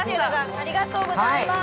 ありがとうございます